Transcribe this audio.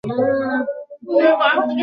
এটা সত্যিই বাস্তব।